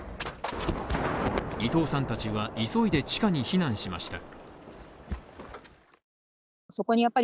伊藤さんたちは急いで地下に避難しました。